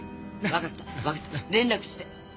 わかった連絡して。